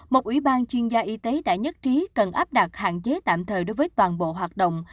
một ủy ban chuyên gia y tế đã nhất trí cần áp đặt hạn chế tạm thời đối với toàn bộ hoạt động